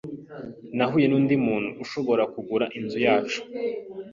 Nahuye nundi muntu ushobora kugura inzu yacu.